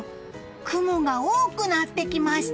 雲が多くなってきました。